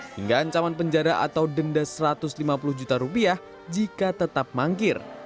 hingga ancaman penjara atau denda rp satu ratus lima puluh juta rupiah jika tetap mangkir